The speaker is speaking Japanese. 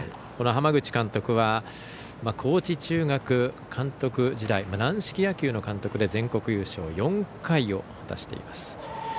浜口監督は高知中学監督時代軟式野球の監督で全国優勝４回を果たしています。